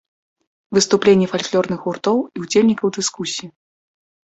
Выступленні фальклорных гуртоў і ўдзельнікаў дыскусіі.